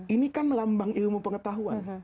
ini kan lambang ilmu pengetahuan